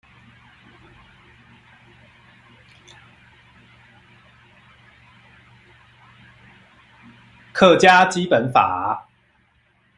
客家基本法